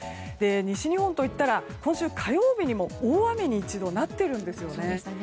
西日本といったら今週火曜日にも大雨に一度、なっているんですよね。